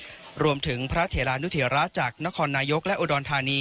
เล็กของพม่ารวมถึงพระเทรานุทิราชจากนครนายกและอุดอนทานี